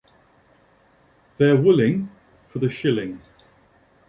They're willing - for the shilling.